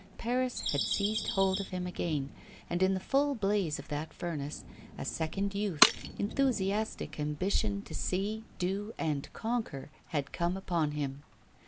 Paris had seized hold of him again; and in the full blaze of that furnace, a second youth, enthusiastic ambition to see, do, and conquer, had come upon him.